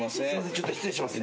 ちょっと失礼します。